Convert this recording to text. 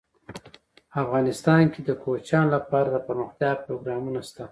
افغانستان کې د کوچیان لپاره دپرمختیا پروګرامونه شته.